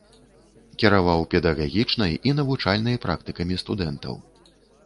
Кіраваў педагагічнай і навучальнай практыкамі студэнтаў.